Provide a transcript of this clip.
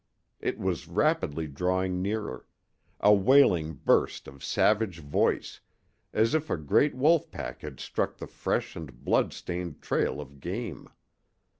It was rapidly drawing nearer a wailing burst of savage voice, as if a great wolf pack had struck the fresh and blood stained trail of game.